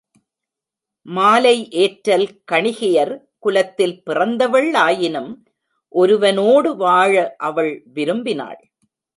மாலை ஏற்றல் கணிகையர் குலத்தில் பிறந்தவள் ஆயினும் ஒருவனோடு வாழ அவள் விரும்பினாள்.